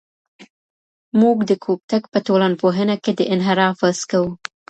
موږ د کوږتګ په ټولنپوهنه کې د انحراف بحث کوو.